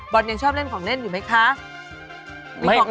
ยังชอบเล่นของเล่นอยู่ไหมคะ